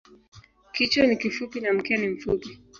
Kichwa ni kifupi na mkia ni mfupi.